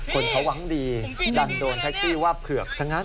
คนเขาหวังดีดันโดนแท็กซี่ว่าเผือกซะงั้น